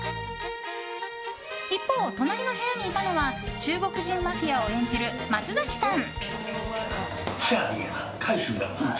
一方、隣の部屋にいたのは中国人マフィアを演じる松崎さん。